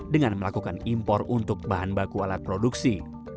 dengan melakukan impor untuk bahan baku alat produksi